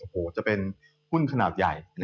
โหจะเป็นหุ้นขนาดใหญ่นะครับ